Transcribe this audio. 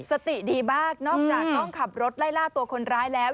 สติดีมากนอกจากต้องขับรถไล่ล่าตัวคนร้ายแล้ว